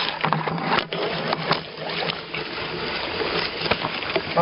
ลดละ